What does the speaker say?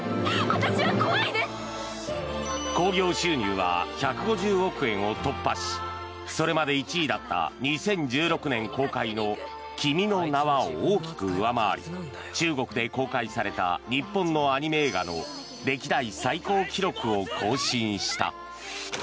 興行収入は１５０億円を突破しそれまで１位だった２０１６年公開の「君の名は。」を大きく上回り中国で公開された日本のアニメ映画の歴代最高記録を更新した。